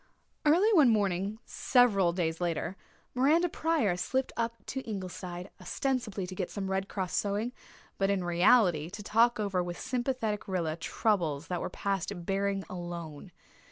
Early one morning, several days later, Miranda Pryor slipped up to Ingleside, ostensibly to get some Red Cross sewing, but in reality to talk over with sympathetic Rilla troubles that were past bearing alone.